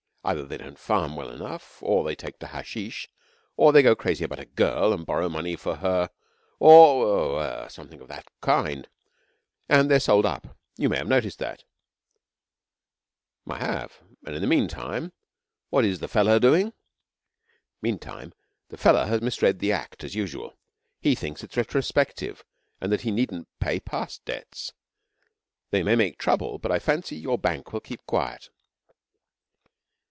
Either they don't farm well enough, or they take to hashish, or go crazy about a girl and borrow money for her, or er something of that kind, and they are sold up. You may have noticed that.' 'I have. And meantime, what is the fellah doing?' 'Meantime, the fellah has misread the Act as usual. He thinks it's retrospective, and that he needn't pay past debts. They may make trouble, but I fancy your Bank will keep quiet.'